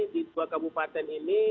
di dua kabupaten ini